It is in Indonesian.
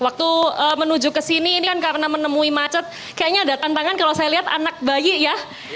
waktu menuju ke sini ini kan karena menemui macet kayaknya ada tantangan kalau saya lihat anak bayi ya